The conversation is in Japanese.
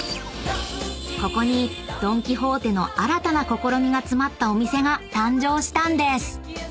［ここにドン・キホーテの新たな試みが詰まったお店が誕生したんです］